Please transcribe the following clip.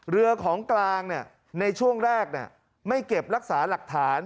เรือของกลางในช่วงแรกไม่เก็บรักษาหลักฐาน